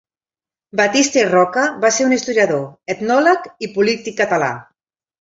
Batista i Roca va ser un historiador, etnòleg i polític català.